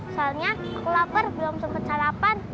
soalnya aku lapar belum sempet salapan